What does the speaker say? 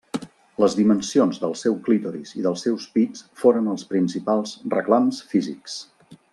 Les dimensions del seu clítoris i dels seus pits foren els principals reclams físics.